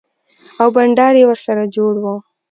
او بنډار يې ورسره جوړ و.